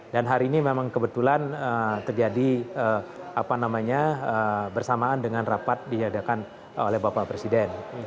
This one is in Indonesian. dan hari ini memang kebetulan terjadi bersamaan dengan rapat diadakan oleh bapak presiden